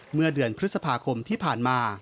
เมื่อเดือนพฤษภาคมที่ผ่านมา